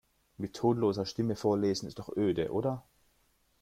Mit tonloser Stimme vorlesen ist doch öde, oder?